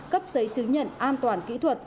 cấp giấy chứng nhận an toàn kỹ thuật